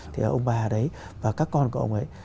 thì ông bà đấy và các con của ông ấy